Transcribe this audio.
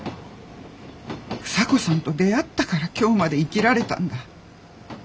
房子さんと出会ったから今日まで生きられたんだ。